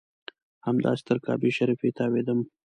همداسې تر کعبې شریفې تاوېدم.